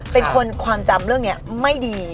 เป็นคนความจำเรื่องนี้ไม่ดี